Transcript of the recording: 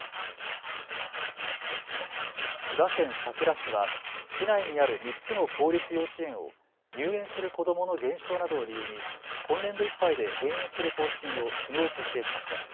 千葉県佐倉市は市内にある３つの公立幼稚園を入園する子どもの減少などを理由に今年度いっぱいで閉園する方針をきのう決定しました。